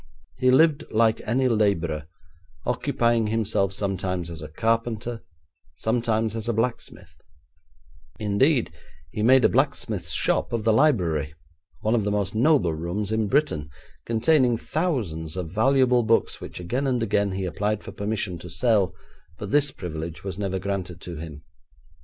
He lived like any labourer, occupying himself sometimes as a carpenter, sometimes as a blacksmith; indeed, he made a blacksmith's shop of the library, one of the most noble rooms in Britain, containing thousands of valuable books which again and again he applied for permission to sell, but this privilege was never granted to him.